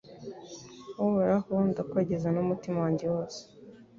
Uhoraho ndakogeza n’umutima wanjye wose